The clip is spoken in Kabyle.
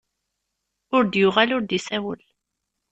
Ur d-yuɣal ur d-isawel.